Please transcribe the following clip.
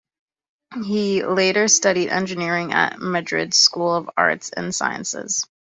He later studied engineering at Madrid's School of Arts and Sciences.